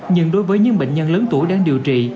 nhưng đối với những bệnh nhân lớn tuổi đang điều trị